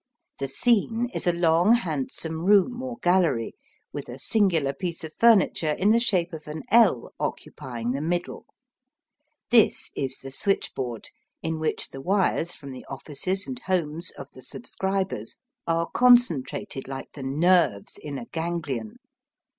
The scene is a long, handsome room or gallery, with a singular piece of furniture in the shape of an L occupying the middle. This is the switchboard, in which the wires from the offices and homes of the subscribers are concentrated like the nerves in a ganglion.